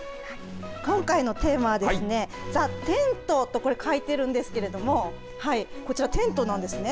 今回のテーマはですねＴＨＥＴＥＮＴと書いているんですけれどもこちらテントなんですね。